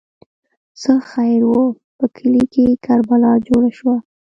ـ څه خیر وو، په کلي کې کربلا جوړه شوه.